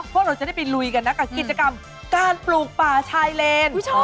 พวกเราจะได้ไปลุยกันนะกับกิจกรรมการปลูกป่าชายเลน